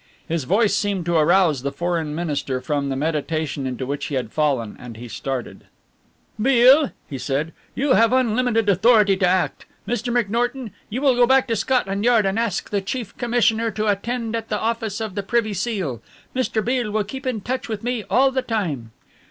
His voice seemed to arouse the Foreign Minister from the meditation into which he had fallen, and he started. "Beale," he said, "you have unlimited authority to act Mr. McNorton, you will go back to Scotland Yard and ask the Chief Commissioner to attend at the office of the Privy Seal. Mr. Beale will keep in touch with me all the time."